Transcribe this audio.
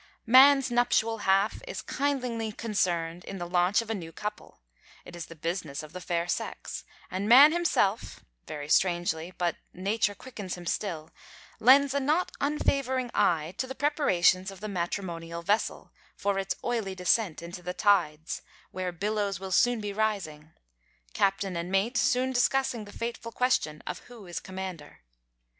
Man's nuptial half is kindlingly concerned in the launch of a new couple; it is the business of the fair sex: and man himself (very strangely, but nature quickens him still) lends a not unfavouring eye to the preparations of the matrimonial vessel for its oily descent into the tides, where billows will soon be rising, captain and mate soon discussing the fateful question of who is commander.